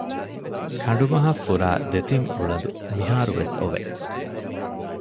ކަނޑުމަހަށް ފުރާ ދެތިން އުޅަދު މިހާރު ވެސް އޮވެ